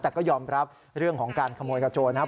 แต่ก็ยอมรับเรื่องของการขโมยกระโจนนะครับ